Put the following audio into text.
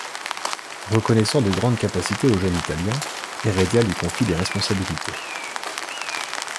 Reconnaissant de grandes capacités au jeune italien, Heredia lui confie des responsabilités.